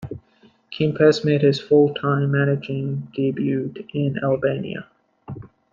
Kempes made his full-time managing debut in Albania.